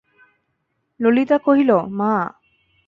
ললিতা কহিল, মা!